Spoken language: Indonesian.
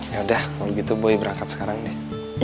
yaudah kalo gitu boy berangkat sekarang deh